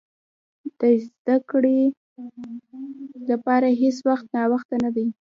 د زده کړې لپاره هېڅ وخت ناوخته نه دی.